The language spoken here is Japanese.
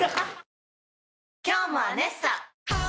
今日も「アネッサ」！